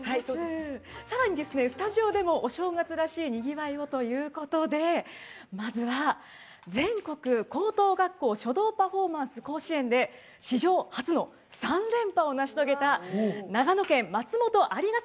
スタジオでお正月らしいにぎわいをということでまずは、全国高等学校書道パフォーマンス甲子園で史上初の３連覇を成し遂げた長野県松本蟻ヶ崎